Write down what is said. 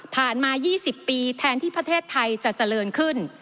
มา๒๐ปีแทนที่ประเทศไทยจะเจริญขึ้น